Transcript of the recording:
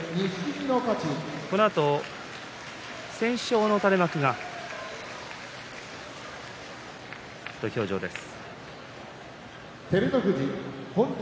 このあと不戦勝の垂れ幕が土俵上です。